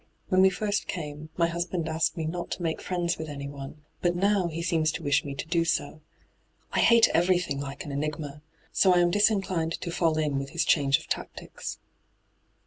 When we first came, my husband asked me not to make friends with anyone ; but now he seems to wish me to do so. I hate everything like an enigma I So I am disinclined to fall in with his change of tactics.'